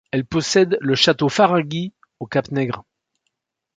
Elle possède le château Faraghi, au cap Nègre.